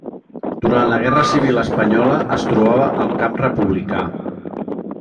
Durant la Guerra Civil Espanyola es trobava al camp republicà.